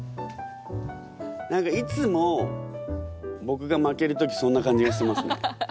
何かいつも僕が負ける時そんな感じがしますね。